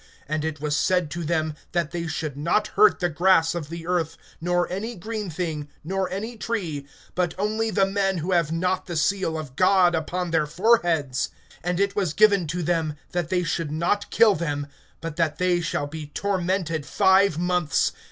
(4)And it was said to them, that they should not hurt the grass of the earth, nor any green thing, nor any tree, but only the men who have not the seal of God upon their foreheads. (5)And it was given to them, that they should not kill them, but that they shall be tormented five months.